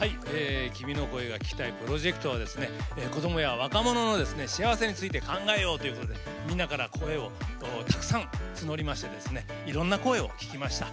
「君の声が聴きたい」プロジェクトは子どもや若者の幸せについて考えようということでみんなから声をたくさん募りましていろんな声を聴きました。